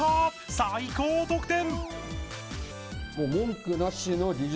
最高得点！